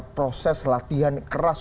proses latihan keras